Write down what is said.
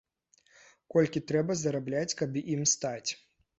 Колькі трэба зарабляць, каб ім стаць?